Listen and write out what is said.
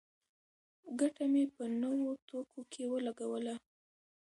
ګټه مې په نوو توکو کې ولګوله.